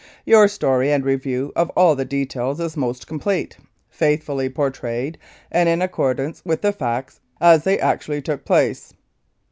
Your story and review of all the details is most complete, faithfully portrayed, and in accordance with the facts as they actually took place.